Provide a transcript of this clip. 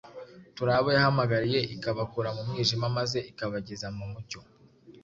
Turi abo yahamagariye ikabakura mu mwijima maze ikabageza mu mucyo